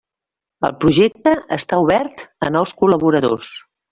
El projecte està obert a nous col·laboradors.